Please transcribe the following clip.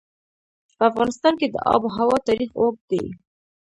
په افغانستان کې د آب وهوا تاریخ اوږد دی.